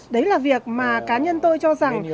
đấy là việc mà cá nhân tôi cho rằng